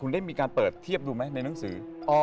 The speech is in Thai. ได้มีการเปิดเทียบดูไหมในหนังสือ